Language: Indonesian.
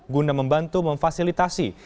guna membantu memfasilitasi